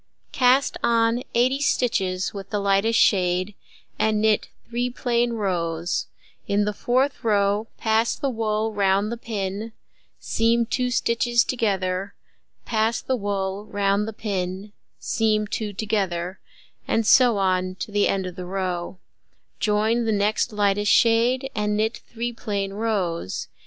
Cast on 80 stitches with the lightest shade, and knit 3 plain rows: in the fourth row pass the wool round the pin, seam 2 stitches together, pass the wool round the pin, seam 2 together, and so on to the end of the row; join the next lightest shade, and knit 3 plain rows.